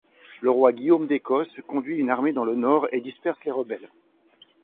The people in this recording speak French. Le roi Guillaume d'Écosse, conduit une armée dans le nord et disperse les rebelles.